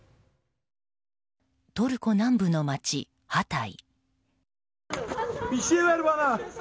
トルコ南部の街ハタイ。